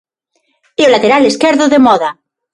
E o lateral esquerdo de moda.